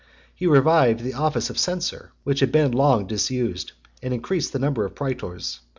He revived the office of censor , which had been long disused, and increased the number of praetors.